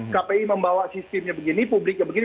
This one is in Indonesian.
kpi membawa sistemnya begini publiknya begini